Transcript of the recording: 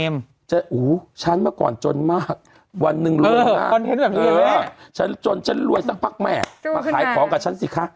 กูขึ้นมามาขายของกับฉันซิคะ